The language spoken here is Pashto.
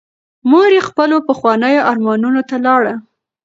مور یې خپلو پخوانیو ارمانونو ته لاړه.